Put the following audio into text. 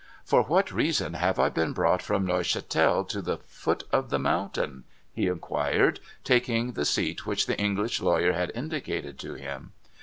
' For what reason have I been brought from Neuchatel to the foot of the mountain ?' he inquired, taking the seat which the English lawyer had indicated to him.